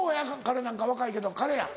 彼なんか若いけど彼や。